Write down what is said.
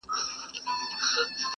نه له خلوته څخه شېخ، نه له مغانه خیام!.